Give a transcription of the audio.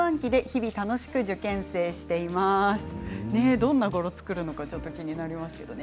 どんなゴロ作るのか気になりますね。